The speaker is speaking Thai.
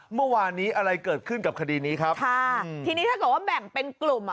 เมื่อวานนี้อะไรเกิดขึ้นกับคดีนี้ครับค่ะทีนี้ถ้าเกิดว่าแบ่งเป็นกลุ่มอ่ะ